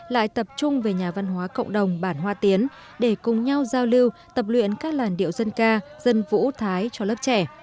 lại tập trung về nhà văn hóa cộng đồng bản hoa tiến để cùng nhau giao lưu tập luyện các làn điệu dân ca dân vũ thái cho lớp trẻ